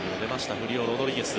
フリオ・ロドリゲス。